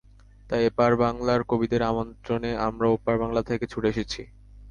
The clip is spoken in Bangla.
তাই এপার বাংলার কবিদের আমন্ত্রণে আমরা ওপার বাংলা থেকে ছুটে এসেছি।